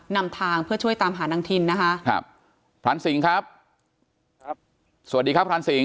นำทางเพื่อช่วยตามหานางทินนะคะครับพรานสิงครับครับสวัสดีครับพรานสิง